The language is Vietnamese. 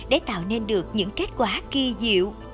để tạo nên được những kết quả kỳ diệu